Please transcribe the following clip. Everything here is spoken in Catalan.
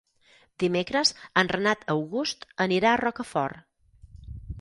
Dimecres en Renat August anirà a Rocafort.